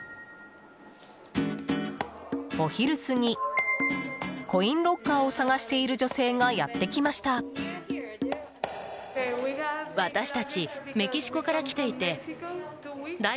お昼過ぎ、コインロッカーを探している女性がやってきました。